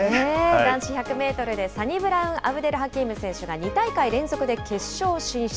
男子１００メートルで、サニブラウンアブデル・ハキーム選手が２大会連続で決勝進出。